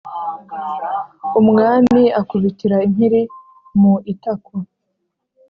” umwami akubitira impiri mu itako,